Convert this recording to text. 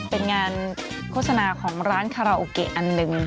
เป็นงานโฆษณาของร้านคาราโอเกะอันหนึ่ง